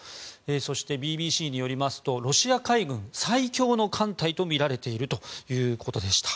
そしてＢＢＣによりますとロシア海軍最強の艦隊とみられているということでした。